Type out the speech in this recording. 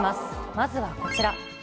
まずはこちら。